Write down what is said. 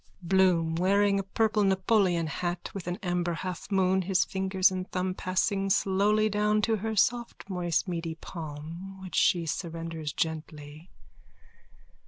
BLOOM: _(Wearing a purple Napoleon hat with an amber halfmoon, his fingers and thumb passing slowly down to her soft moist meaty palm which she surrenders gently.)